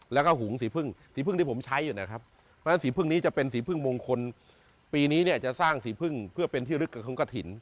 แล้วก็หุงสีพึ่งสีพึ่งที่ผมใช้อยู่นะครับเพราะฉะนั้นสีพึ่งนี้จะเป็นสีพึ่งมงคลปีนี้เนี่ยจะสร้างสีพึ่งเพื่อเป็นที่ลึกกับของกระถิ่น